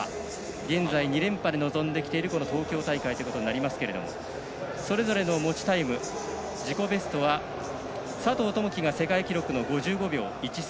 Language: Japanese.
現在、２連覇で臨んできている東京大会ということになりますけれどもそれぞれの持ちタイム自己ベストは佐藤友祈が世界記録の５５秒１３。